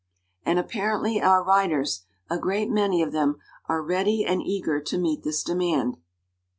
And apparently our writers a great many of them are ready and eager to meet this demand.